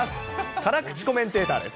辛口コメンテーターです。